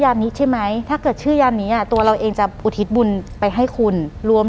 หลังจากนั้นเราไม่ได้คุยกันนะคะเดินเข้าบ้านอืม